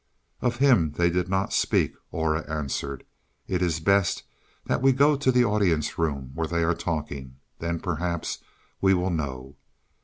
"Of him they did not speak," Aura answered. "It is best that we go to the audience room, where they are talking. Then, perhaps, we will know."